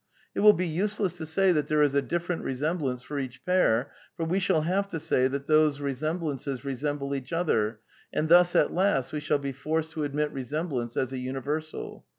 It will be useless to say that there is a different resemblance for each pair, for we shall have to say that these resemblances resemble each other, and thus at last we shall be forced to admit resemblance as a universal.